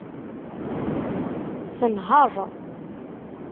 Tenheṛ.